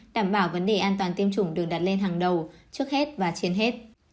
đảm bảo vấn đề an toàn tiêm chủng được đặt lên hàng đầu trước hết và trên hết